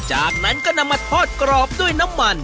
จากนั้นก็นำมาทอดกรอบด้วยน้ำมัน